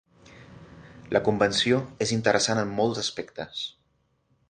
La convenció és interessant en molts aspectes.